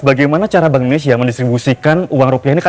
bagaimana cara bank indonesia mendistribusikan uang rupiah ini